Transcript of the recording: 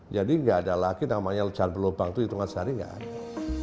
jadi gak ada lagi namanya jalan berlubang itu hitungan sehari gak ada